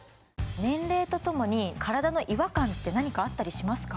年齢とともに体の違和感って何かあったりしますか？